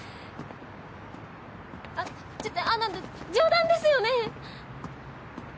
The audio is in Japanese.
あっちょっとあの冗談ですよね？